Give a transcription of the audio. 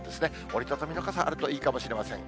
折り畳みの傘、あるといいかもしれません。